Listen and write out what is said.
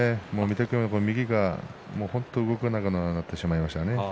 御嶽海の右が本当に動かなくなってしまいましたね。